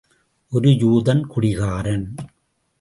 ஒரு யூதன் குடிகாரன்.